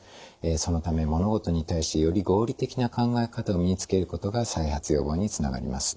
そのため物事に対してより合理的な考え方を身につけることが再発予防につながります。